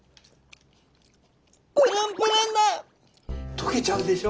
溶けちゃうでしょ？